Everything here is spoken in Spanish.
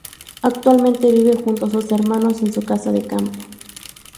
Actualmente, vive junto a sus hermanos, en su casa de campo.